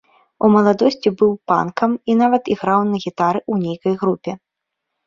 У маладосці быў панкам і нават іграў на гітары ў нейкай групе.